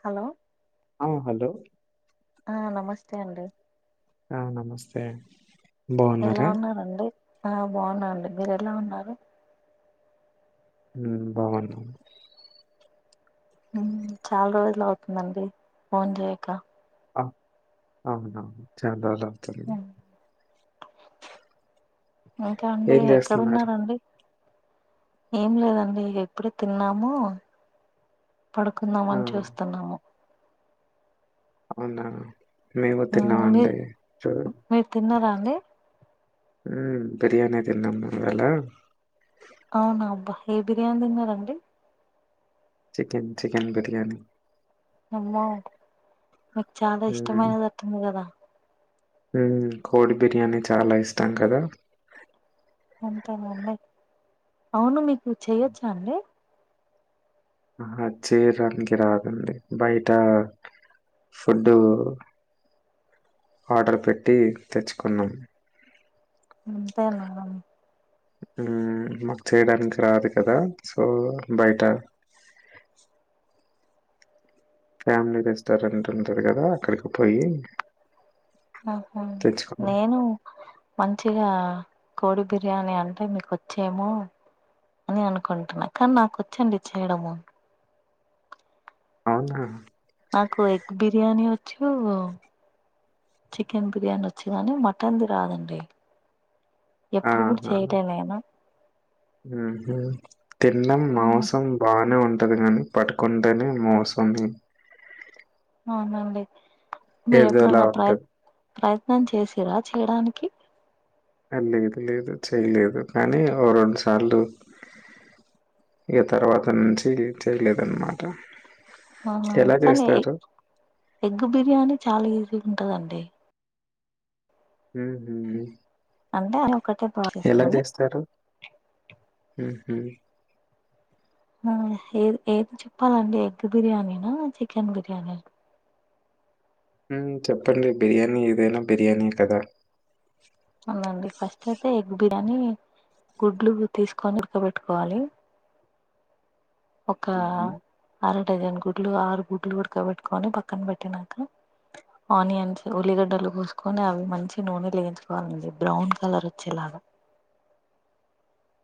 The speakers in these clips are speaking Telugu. హలో ఆ హలో ఆ నమస్తే అండి ఆ నమస్తే అండి ఎలా ఉన్నారండి ఆ బాగున్నాండి మీరు ఎలా ఉన్నారు. ఉమ్ బాగున్నా చాలా రోజులు అవుతుందండి ఫోన్ చేయక ఆ అవునవును చాలా రోజులవుతుంది ఉమ్, ఇంకా అండి ఏం జేస్తున్నారు? ఎక్కడున్నారు అండి ఏం లేదండి ఇగ ఇప్పుడే తిన్నాము ఆ! పడుకుందామని చూస్తున్నాము అవునా మేము ఉమ్, తిన్నామండి మీరు చూ మీరు తిన్నారా అండి హ బిర్యానీ తిన్నాము ఇవాళ అవునా అబ్బా ఏ బిర్యానీ తిన్నారండి చికెన్ చికెన్ బిర్యానీ అమ్మో మీకు చాలా ఇష్టమైనది అటుంది కదా ఉమ్ కోడి బిర్యానీ చాలా ఇష్టం కదా అంతేనా అండి అవును మీకు చెయ్యొచ్చా అండి ఆ చేయడానికి రాదండి బయట ఫుడ్డు ఆర్డర్ పెట్టి తెచ్చుకున్నాం తినడం ఉ మాకు చేయడానికి రాదు కదా సో బయట ఫ్యామిలీ రెస్టారెంట్ ఉంటాది కదా అక్కడికి పోయి ఆహా తెచ్చుకున్నాం. నేను మంచి కొద్దిగా కోడి బిర్యానీ అంటే మీకు వచ్చేమో అని అనుకుంటున్నా కానీ నాకొచ్చండి చేయడము అవునా నాకు ఎగ్ బిర్యానీ వచ్చు చికెన్ బిర్యానీ వచ్చిందని మటన్ది రాదండి ఎప్పుడు కూడా చేయలే నేను ఉహు తీన్డం ఉమ్, మాంసం బనే ఉం టది కాని పట్టుకుంటేనే మాంసం ది అవునండి ఏదోలా మీరెప్పుడున్న ప్రయ ఉంటది. ప్రయత్నం చేసిరా చేయడానికి లేదు లేదు చేయలేదు కానీ ఓ రెండు సార్లు ఈ తర్వాత నుంచి చేయలేదన్నమాట అవునా కానీ ఎ ఎగ్ బిర్యానీ చాలా ఈజీ ఉంటుందండి ఉహూ అంటే అది ఒకటే ప్రాసెస్ కానీ ఆహా ఏ ఏది చెప్పాలండి ఎగ్ బిర్యానీనా చికెన్ బిర్యానీ చెప్పండి బిర్యానీ ఏదైనా బిర్యానీ కదా అవునండి ఫస్ట్ అయితే ఎగ్ బిర్యానీ గుడ్లు తీసుకొని ఇకబెట్టుకోవాలి ఒక హుహు. అర డజన్ గుడ్లు ఆరు గుడ్లు ఉడకబెట్టుకొని పక్కన పెట్టినాక ఆనియన్స్ ఉల్లిగడ్డలు కూసుకొని అవి మంచి నూనె లేగించుకోవాలండి బ్రౌన్ కలర్ వచ్చేలా అ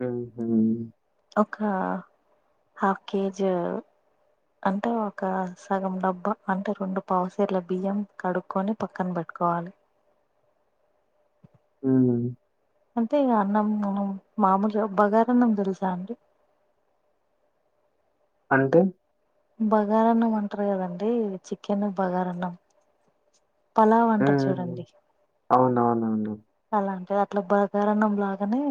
ఆ ఒక హాఫ్ కేజీ అంటే ఒక సగం డబ్బా అంటే రెండు పావుసేర్ల బియ్యం కడుక్కకొని పక్కన పెట్ట ట్టుకోవాలి హ అంటే అన్నం మనం మామూలుగాబ్ బగారన్నం తెలుసా అండి అంటే బగారాన్నం అంటారు కదండి చికెన్ బగారాన్నం పలావ అంటారు హ్మ్. చూడండి అవునవునవును. అలా అంటే అట్లా బకారన్నం లాగానే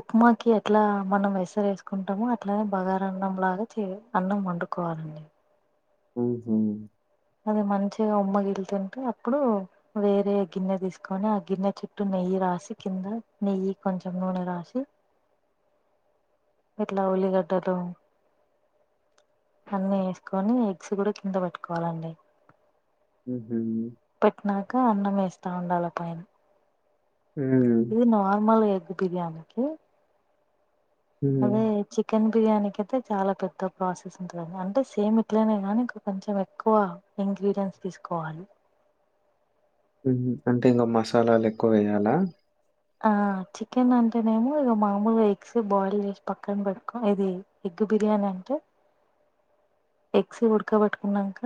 ఉప్మాకి ఎట్లా మనం వెసర వేసుకుంటామో అట్లానే బగార అన్నం లాగా చే అన్నం వండుకోవాలండి ఆహ అది మంచిగా ఉమ్మగిలుతుంటే అప్పుడు వేరే గిన్నె తీసుకొని ఆ గిన్నె చుట్టూ నెయ్యి రాశి కింద నెయ్యి కొంచెం నూనె రాశి ఎట్లా ఉల్లిగడ్డలు అన్నీ వేసుకొని ఎగ్స్ కూడా కింద పెట్టుకోవాలండి ఉ పెట్టినాక అన్నం వేస్తా ఉండాలి పైన హ్మ్. ఇది నార్మల్ ఎగ్ ప్రర్యాణికి అదే హ్మ్. చికెన్ బిర్యా అయితే చాలా పెద్ద ప్రాసెస్ ఉంటుంది అంటే సేమ్ ఇట్లనే కానీ కొంచెం ఎక్కువ ఇంగ్రీడియంట్స్ తీసుకోవాలి అంటే ఇంకా మసాలాలు ఎక్కువ వేయాలా ఆ చికెన్ అంటేనేమో ఇక మామూలుగా ఎగ్స్ బాయిల్ చేసి పక్కన పెట్టుకోం ఇది దగ్గ బిర్యానీ అంటే ఎక్సీ ఉడకబట్టుకున్నాక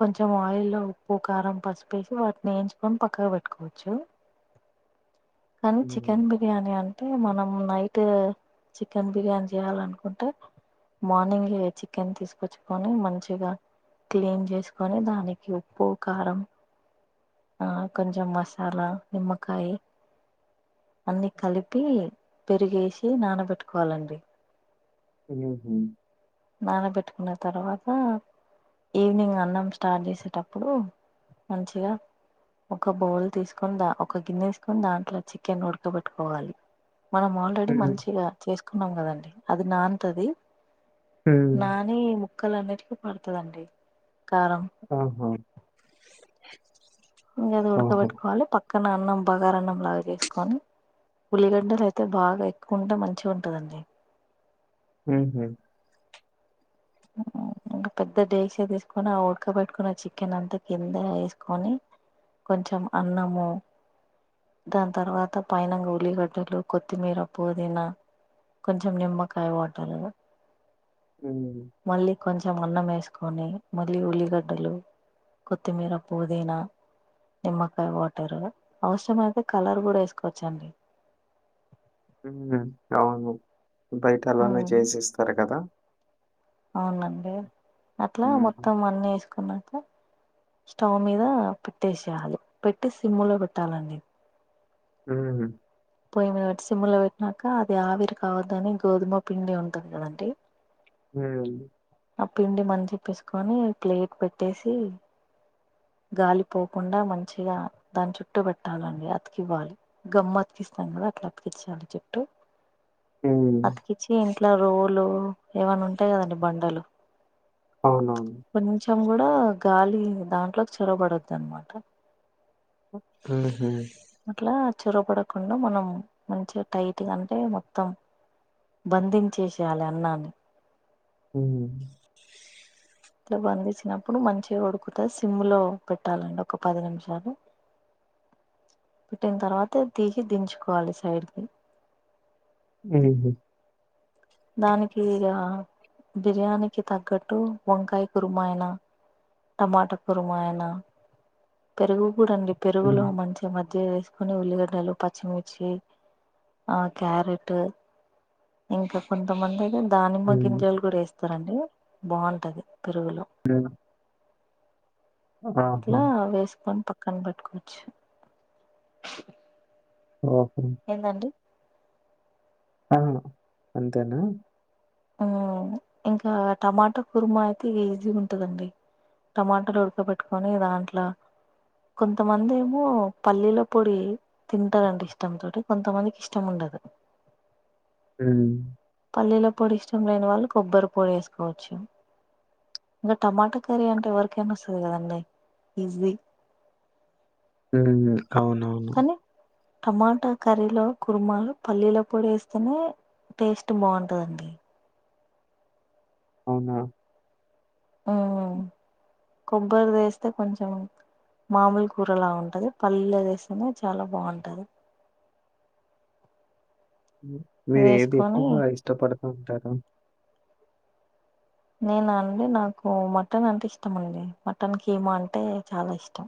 కొంచెం ఆయిల్లో ఉప్పు కారం పసిపేసి వాటిని వేయించుకొని పక్కగా పెట్టుకోవచ్చు అనీ హ్మ్. చికెన్ బిర్యానీిను అంటే మనం నైట్ చికెన్ బిర్యానీ చేయాల అనుకుంటే మార్నింగ్ చికెన్ తీసుకు చ్చుకొని మంచిగా క్లీన్ చేసుకొని దానికి ఉప్పు కారం ఆ కొంచెం మసాలా నిమ్మకాయ అన్నిీ కలిపి పెరిగేసి నానబెట్టుకోవాలండి హ నానబెట్టుకున్న తర్వాత ఈవినింగ్ అన్నం స్టార్ట్ చేసేటప్పుడు మంచిగా ఒక బౌల్ తీసుకుని ద ఒక గిన్నెసుకొని దాంట్లో చికెన్ ఉడకబెట్టుకోవాలి మనం ఆల్రెడీ హ్మ్. మంచిగా చేసుకున్నాం కదండి అది నాంతది హ్మ్. నాని ముక్కలు అన్నిటికీ పడుతుందండి కారం ఆహా ఇంకా అది ఆహా! ఉడకబెట్టుకోవాలి పక్కన అన్నం బగార అన్నం లాగా చేసుకొని ఉల్లిగడ్డలు అయితే బాగా ఎక్కువ ఉంటే మంచిగా ఉంటదండి హ అ ఇంకా పెద్ద డేస తీసుకొని ఆ ఉడకబట్టుకున్న చికెన్ అంతా కింద వేసుకొని కొంచెం అన్నము దాని తర్వాత పైన ఉల్లి గడ్డలు కొత్తిమీర పుదీనా కొంచెం నిమ్మకాయ వాటాలగా హ్మ్. మళ్ళీ కొంచెం అన్నం వేసుకొని మళ్ళీ ఉల్లిగడ్డలు కొత్తిమీర పుదీనా నిమ్మకాయ వాటరు అవసరమ అయితే కలర్ కూడా వేసుకోవచ్చండి ఉ అవును బయట అలానే ఉమ్ చేసిస్తారు కదా అవునండి అట్లా హ్మ్. మొత్తం అన్ని వేసుకున్నా స్టవ్ మీద పెట్టేసేయాలి పెట్టి సిమ్ లో పెట్టాలండి హ పొయ్య మీద పెట్టి సిమ్ములో పెట్టినాక అది ఆవిరి కావద్దని గోధుమ పిండి ఉంటది కదండి హ ఆ పిండి మంచిప్పేసుకొని ప్లేట్ పెట్టేసి గాలిపోకుండా మంచిగా దాని చుట్టటు పెట్టాలండి అతికివ్వాలి గమ్మ అతికిస్త అట్లాతీకిచాలా చుట్టు హ్మ్. అతికిచ్చి ఇంట్లో రోలు ఏమన్న ఉంటాయి కదండి బండలు అవునవును తం కూడా గాలి దాంట్లోకి చొరబడొద్దు అనమాట ఆ అట్లా చొరపడకుండా మనం మంచిగా టైట్గా అంటే మొత్తం బంధించేసేయాలి అన్నాన్ని హ ఇట్ల బంధచ్చినప్పుడు మంచిగా ఉడుకుతది సిమ్ లో పెట్టాలండి ఒక పది నిమిషాలు పెట్టిన తర్వాత తీసి దించుకోవాలి సైడ్కి అ దానికి ఇక బిర్యానీకి తగ్గట్టు వంకాయ కురుమాయన టమాటా కురుమా ఆయిన పెరుగు కూడాండి పెరుగులో హ్మ్. మంచి మజ్ జ్జిగ వేసుకొని ఉల్లిగడ్డలు పచ్చిమిర్చి క్యారెట్ ఇంకా కొంతమంది ఐతే దానిమ్మ హ్మ్. గింజలు కూడా వేస్తారండి బాగుంటది పెరుగులో హ్మ్. ఆహా! ఇట్లా వేసుకొని పక్కన పెట్టుకోవచ్చు ఓహో ఏందండి ఆ అంతేనా ఇంకా టమాటా కుర్మా అయితే ఈజీ గా ఉంటదండి టమాటాలు ఉడక పెట్టుకొని దాంట్లో కొంతమంది ఏమో పల్లీల పొడి తింటారండి ఇష్టంంతోటి కొంతమందికి ఇష్టం ఉండు అహ హు పల్లీల పొడి ఇష్టం లేని వాళ్ళు కొబ్బరి పొడి వేసుకోవచ్చు ఇంక టమాటా కర్రీ అంటే ఎవరికేనా వస్తుంది కదండి ఈజీ ఉ కవునవును టమాట కర్రీలో కుర్మ పల్లీల పొడి వేస్తేనే టేస్ట్ బాగుంటదండి ఆహా ఉ కొబ్బరి వేస్తే కొంచెం మా మూల్ కూరలా ఉంటది పల్లీలు వేస్తేనే చాలా బాగుంటది మీరు ఏది వేసుకొని ఎక్కువగా ఇష్టపడుతూ ఉంటారు నేనా అండి నాకు మటన్ అంటే ఇష్టం అండి మటన్ కీమా అంటే చాలా ఇష్టం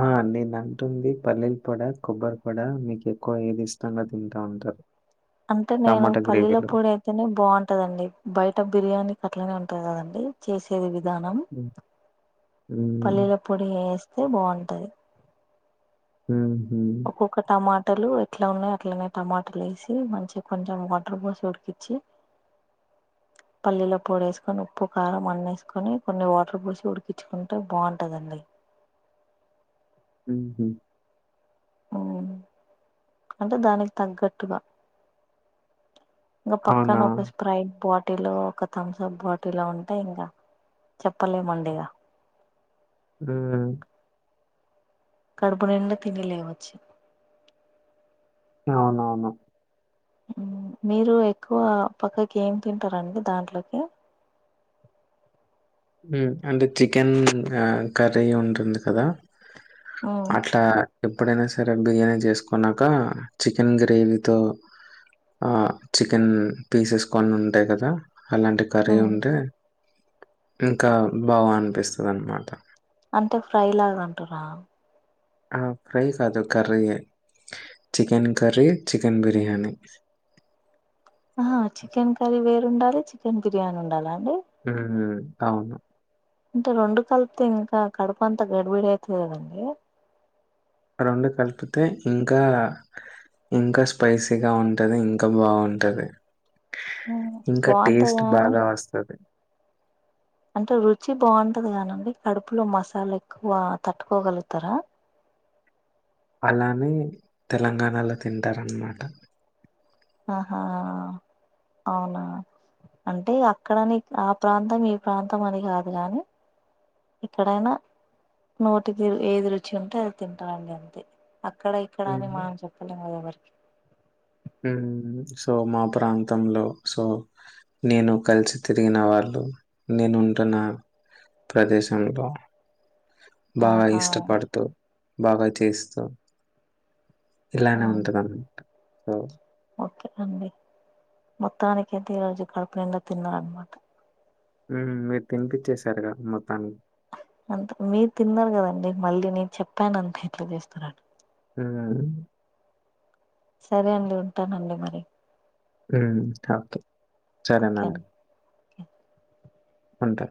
ఆ నేను అంటుంది పల్లీల పొడి ఆ కొబ్బరి పొడ మీకు ఎక్కువ ఏది ఇష్టంగా తింటా ఉంటారు అంటే నేను టమాటా పల్లీల గ్రేవీలో. పొడి అయితేనే బాగుంటదండి బయట బిర్యానీ అట్లనే ఉంటంది కదండి చేసేది విధానం హ్మ్. హ్మ్. పల్లీల పొడి వేస్తే బాగుంటది ఉ ఒక్కొక్క టమా టలు ఎట్ల ఉన్నాయో అట్లనే టమాటలు వేసి మంచిగా కొంచెం వాటర్ బోసి ఉడికించి పల్లీలో పొడి వేసుకొని ఉప్పు కారం అన్ని వేసుకొని కొన్ని వాటర్ పోసి ఉడికించుకుంటే బాగుంటదండి ఊహు ఉ అంటే దానికి తగ్గట్టుగా ఇంక పక్కన అవునా? ఒక స్ప్రైట్ బాట్ టిలు ఒక థమ్సప్ బాటిలు ఉంటయి కదా ఇంకా చెప్పలేమండిగా హు కడుపు నిండా తిని లేవచ్చు అవునవును మీరు ఎక్కువ పక్కకి ఏం తింటారంండి దాంట్లోకి ఉ అంటే చికెన్ ఆ కర్రీ ఉంటుంది కదా ఉమ్ అట్ల ఎప్పుడైన సరే బిర్యానీ చేసుకున్నాక చికెన్ గ్రేవీతో ఆ చికెన్ పీసెస్ కొన్ని ఉంటాయి కదా అలాంటి కర్రీ ఉమ్ ఉంటే ఇంక బాగ అనిపిస్తుంది అనమాట అంటే ఫ్రై లాగ అంటున్నావ ఆ ఫ్రై కాదు కర్రీ ఏ చికెన్ కర్రీ చికెన్ బిర్యానీి ఆహా చికెన్ కర్రీ వేరుండాలి చికెన్ బిర్యానీ ఉండాల అండి హు అవును అంటే రెండు కలిపితే ఇంక కడుపు అంతా గడిబిడి అయితుంది కదండి రెండు కలిపితే ఇంకా ఇంకా స్పైసీగ ఉంటది ఇంకా బాగుంటది ఉమ్, ఇంక బాగుంటది టేస్ట్ గాని బాగా వస్తది అంటే రుచి బాగుంటది కానండి కడుపులో మసాలా ఎక్కువ తట్టుకోగలుగుతారా అలానే తెలంగాణలో తింటారన్నమాట ఆహా అవునా అంటే అక్కడని ఆ ప్రాంతం ఈ ప్రాంతం అని కాదు కానీ ఏక్కడైనా నోటికి ఏది రుచి ఉంటే అది తింటాలండి అంతే అక్కడ ఇక్కడ అని హ్మ్. మనం చెప్పలేం కద ఎవరి సో మా ప్రాంతంలో సో నేను కలిసి తిరిగిన వాళ్ళు నేనుంటున్న ప్రదేశంలో బాగా ఆహా ఇష్టపడుతరు బాగా చేస్తవు ఇలానే అవును ఉంటాదన్న సో ఓకే అండి మొత్తానిక ఐతే ఈరోజు కడుపు నిండా తిన్నారనమాట మీరు తినిపించేసారుగా మొత్తానికి అంత మీరు తిన్నారు కదండి మళ్ళీ నేను చెప్పాను అంతే ఎట్లా చేస్తారు అని అవును అండి సరే అండి ఉంటానండి మరి హ్మ్ ఓకే ఓకే అండి సెరెనండి అంతే